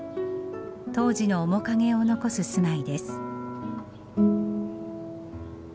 当時の面影を残す住まいです。